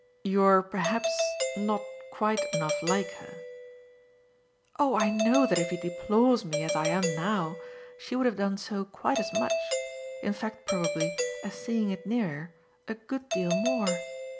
"You're perhaps not quite enough like her." "Oh I know that if he deplores me as I am now she would have done so quite as much; in fact probably, as seeing it nearer, a good deal more.